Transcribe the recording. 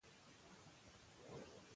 هغه مهال چې اخلاق مراعت شي، اړیکې ټینګېږي.